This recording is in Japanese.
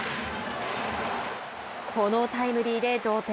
このタイムリーで同点。